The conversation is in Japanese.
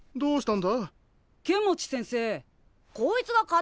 ん？